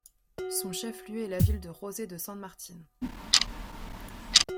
Son chef-lieu est la ville de José de San Martín.